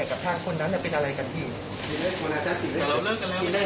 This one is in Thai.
เราเลิกกันไม่ได้